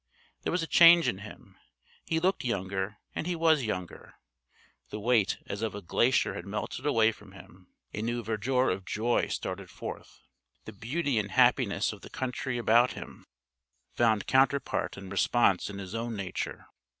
There was a change in him. He looked younger and he was younger. The weight as of a glacier had melted away from him. A new verdure of joy started forth. The beauty and happiness of the country about him found counterpart and response in his own nature.